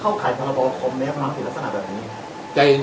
เข้าข่ายประบวนของแมรมที่ทำผิดลักษณะแบบนี้